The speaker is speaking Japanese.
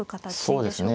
そうですね。